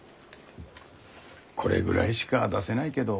これぐらいしか出せないけど？